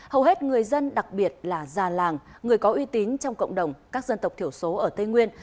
hầu hết người dân đặc biệt là già làng người có uy tín trong cộng đồng các dân tộc thiểu số ở tây nguyên